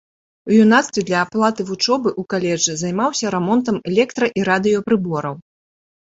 У юнацтве для аплаты вучобы ў каледжы займаўся рамонтам электра-і радыёпрыбораў.